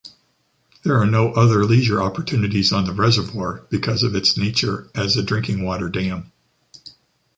There are no other leisure opportunities on the reservoir because of its nature as a drinking water dam.